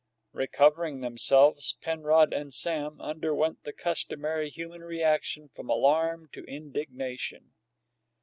Recovering themselves, Penrod and Sam underwent the customary human reaction from alarm to indignation.